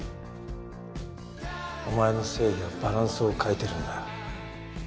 お前の正義はバランスを欠いてるんだ。